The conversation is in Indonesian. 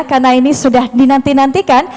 karena ini sudah dinantikan